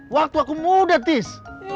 waktu aku muda tis